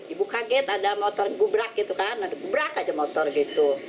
ibu kaget ada motor gubrak gitu kan ada gubrak aja motor gitu